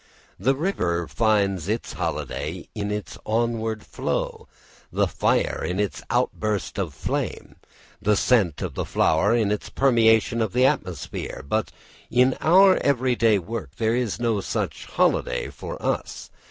The river finds its holiday in its onward flow, the fire in its outburst of flame, the scent of the flower in its permeation of the atmosphere; but in our everyday work there is no such holiday for us.